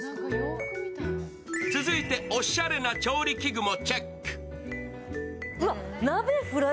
続いておしゃれな調理器具もチェック。